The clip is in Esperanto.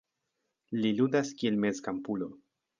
Li ludas kiel mezkampulo.